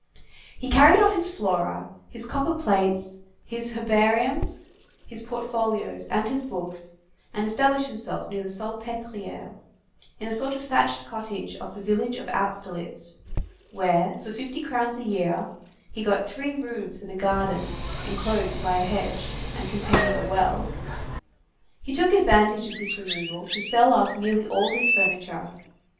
He carried off his Flora, his copper plates, his herbariums, his portfolios, and his books, and established himself near the Salpêtrière, in a sort of thatched cottage of the village of Austerlitz, where, for fifty crowns a year, he got three rooms and a garden enclosed by a hedge, and containing a well. He took advantage of this removal to sell off nearly all his furniture.